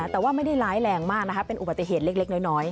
แต่ว่าไม่ได้ร้ายแรงมากนะคะเป็นอุบัติเหตุเล็กน้อย